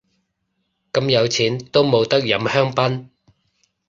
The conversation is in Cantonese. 咁有錢都冇得飲香檳